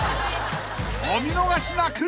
［お見逃しなく］